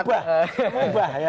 itu mubah ya